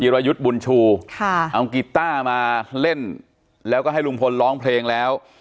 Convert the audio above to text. รยุทธ์บุญชูค่ะเอากีต้ามาเล่นแล้วก็ให้ลุงพลร้องเพลงแล้ว